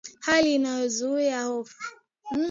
hali inayozua hofu